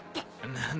何だ。